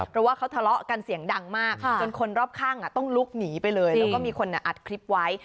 เพราะว่าเขาทะเลาะกันเสียงดังมากจนคนรอบข้างต้องลุกหนีไปเลยแล้วก็มีคนอัดคลิปไว้